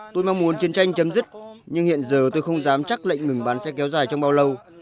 tôi mong muốn chiến tranh chấm dứt nhưng hiện giờ tôi không dám chắc lệnh ngừng bắn sẽ kéo dài trong bao lâu